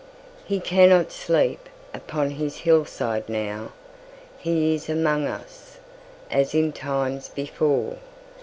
He cannot sleep upon his hillside now. He is among us:—as in times before!